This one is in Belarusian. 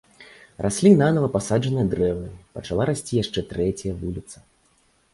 Раслі нанава пасаджаныя дрэвы, пачала расці яшчэ трэцяя вуліца.